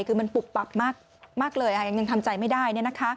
คือมันปุบปับมากเลยยังทำใจไม่ได้